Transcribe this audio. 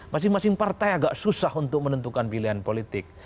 masing masing partai agak susah untuk menentukan pilihan politik